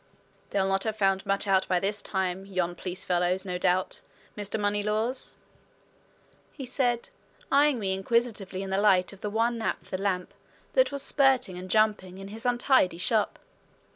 "They'll not have found much out by this time, yon police fellows, no doubt, Mr. Moneylaws?" he said, eyeing me inquisitively in the light of the one naphtha lamp that was spurting and jumping in his untidy shop.